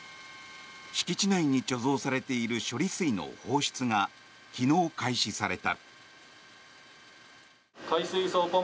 敷地内に貯蔵されている処理水の放出が、昨日開始された。